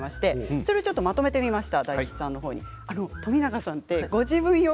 それをまとめてみました。